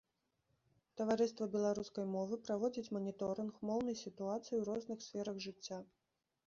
Таварыства беларускай мовы праводзіць маніторынг моўнай сітуацыі ў розных сферах жыцця.